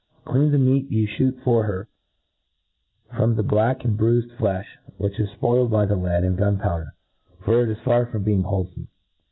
Cleau the meat you Ihoot for her from the black and and bruifed flelh which is fpoiled by the lead and gun powder j for it is far from being whole? fome.